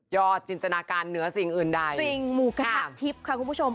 จินตนาการเหนือสิ่งอื่นใดจริงหมูกระทะทิพย์ค่ะคุณผู้ชม